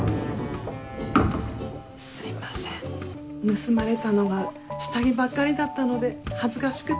すいません盗まれたのが下着ばっかりだったので恥ずかしくて。